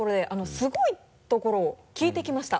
すごいところを聞いてきました。